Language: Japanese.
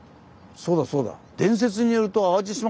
そうだそうだ。